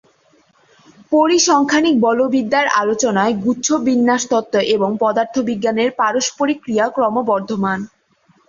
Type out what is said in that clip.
পরিসংখ্যানিক বলবিদ্যার আলোচনায় গুচ্ছ-বিন্যাসতত্ত্ব এবং পদার্থবিজ্ঞানের পারস্পরিক ক্রিয়া ক্রমবর্ধমান।